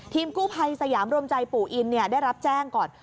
กู้ภัยสยามรวมใจปู่อินได้รับแจ้งก่อน